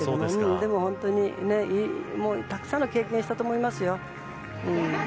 でもたくさんの経験したと思いますよ。